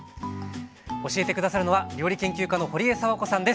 教えて下さるのは料理研究家のほりえさわこさんです。